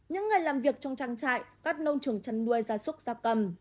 những người làm việc trong trang trại các nông trường chăn nuôi ra súc ra cầm